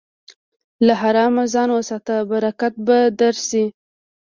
له حرامه ځان وساته، برکت به درشي.